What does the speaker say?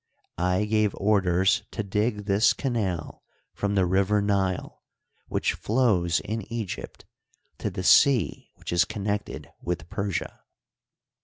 I gave orders to dig this canal from the river Nile which flows in Eg3rpt to the sea which is connected with Persia.